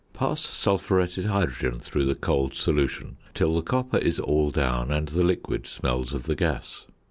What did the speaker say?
Pass sulphuretted hydrogen through the cold solution till the copper is all down and the liquid smells of the gas.